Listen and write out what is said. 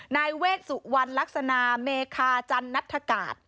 นายเวชสุวรรณลักษณะเมคาจันนัฐกาศ